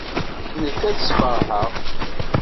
Nekk ad tt-sfeṛḥeɣ.